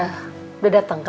sarah pak suri udah dateng kan